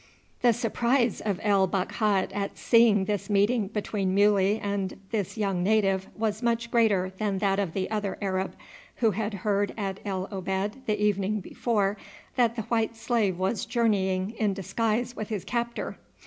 The surprise of El Bakhat at seeing this meeting between Muley and this young native was much greater than that of the other Arab, who had heard at El Obeid the evening before that the white slave was journeying in disguise with his captor.